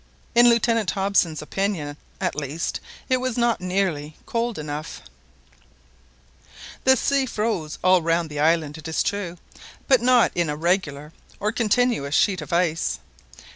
In Lieutenant Hobson's opinion, at least, it was not nearly cold enough. The sea froze all round the island, it is true, but not in a regular or continuous sheet of ice.